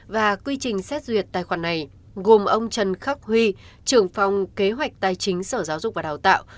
và quy trình xét duyệt tài khoản này gồm ông trần khắc huy trưởng phòng kế hoạch tài chính sở giáo dục và đào tạo